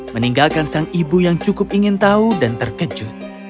meninggalkan sang ibu yang cukup ingin tahu dan terkejut